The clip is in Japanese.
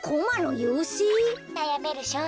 なやめるしょうねんよ